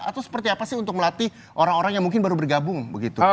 atau seperti apa sih untuk melatih orang orang yang mungkin baru bergabung begitu